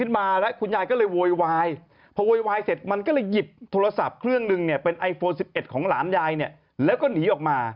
บ้าบอกปะเนี่ย